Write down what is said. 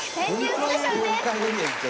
スペシャルです。